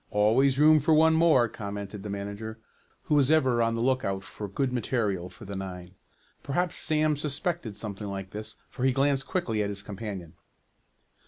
"Always room for one more," commented the manager, who was ever on the lookout for good material for the nine. Perhaps Sam suspected something like this, for he glanced quickly at his companion.